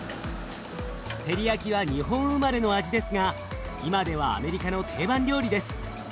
テリヤキは日本生まれの味ですが今ではアメリカの定番料理です。